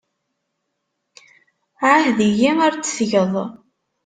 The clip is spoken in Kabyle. Ɛahed-iyi ar t-tgeḍ.